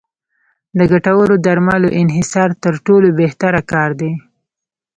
د ګټورو درملو انحصار تر ټولو بهتره کار دی.